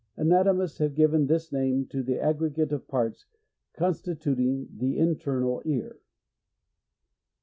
Anatomists have given this name to the a^g'egate of pirts, constituting the internal ear.